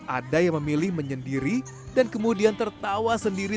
ada yang memilih menyendiri dan kemudian tertawa sendiri